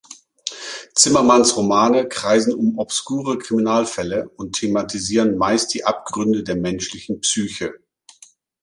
Zimmermanns Romane kreisen um obskure Kriminalfälle und thematisieren meist die Abgründe der menschlichen Psyche.